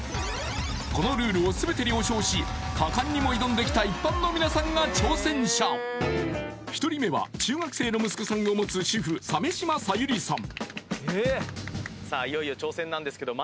このルールを全て了承し果敢にも挑んできた一般の皆さんが挑戦者１人目は中学生の息子さんを持つ主婦鮫島さゆりさん